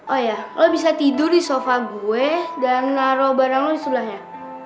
oh ya lo bisa tidur di sofa gue dan naruh barang lo di sebelahnya